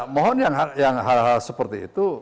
mohon yang hal hal seperti itu